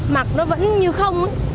mặc nó vẫn như không